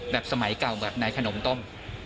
แบบสมัยเก่าแบบนายขนมต้ม